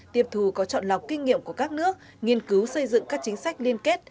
tiếp thù có chọn lọc kinh nghiệm của các nước nghiên cứu xây dựng các chính sách liên kết